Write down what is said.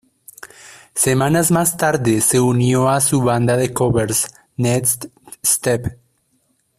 Semanas más tarde, se unió a su banda de covers, Next Step.